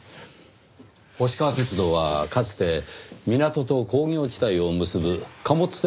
星川鐵道はかつて港と工業地帯を結ぶ貨物線だったそうですねぇ。